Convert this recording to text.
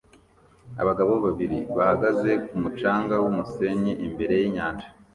Abagabo babiri bahagaze ku mucanga wumusenyi imbere yinyanja